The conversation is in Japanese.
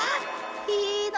いいな。